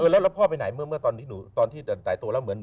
แล้วพ่อไปไหนเมื่อตอนที่จ่ายตัวแล้วเหมือน